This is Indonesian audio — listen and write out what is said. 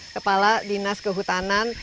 kepala dinas kehutanan